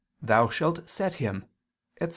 . thou shalt set him," etc.